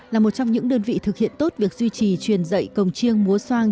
là một trong những đơn vị thực hiện tốt việc duy trì truyền dạy cồng chiêng múa soang